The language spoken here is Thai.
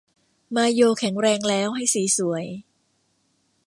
มาโยแข็งแรงแล้วให้สีสวย